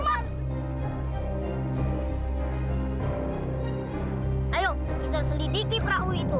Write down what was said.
hai iyo mikir selidiki perawo itu